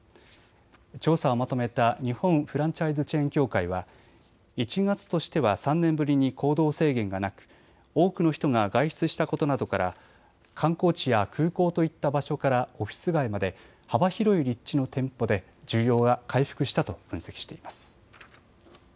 調査をまとめた日本フランチャイズチェーン協会は１月としては３年ぶりに行動制限がなく多くの人が外出したことなどから観光地や空港といった場所からオフィス街まで幅広い立地の店舗で需要が回復したと分析しています。